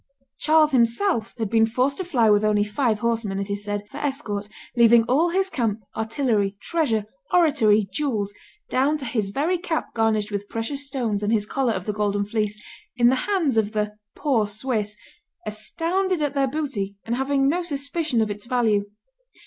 Charles himself had been forced to fly with only five horsemen, it is said, for escort, leaving all his camp, artillery, treasure, oratory, jewels, down to his very cap garnished with precious stones and his collar of the Golden Fleece, in the hands of the "poor Swiss," astounded at their booty and having no suspicion of its value.